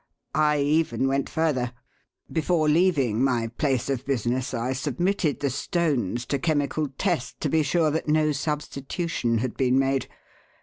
I even went further. Before leaving my place of business I submitted the stones to chemical test to be sure that no substitution had been made.